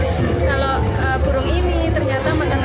kalau burung ini ternyata makanan